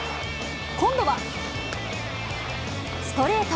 今度は、ストレート。